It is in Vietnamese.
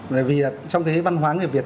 vì trong cái văn hóa người việt